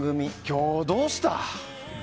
今日、どうした？